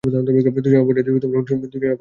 দুই জন অপরাধীর অনুসন্ধানে আসিয়াছি।